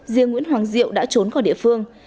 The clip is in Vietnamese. riêng nguyễn hoàng diệu đã trốn khỏi địa phương